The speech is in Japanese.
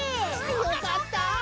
よかった！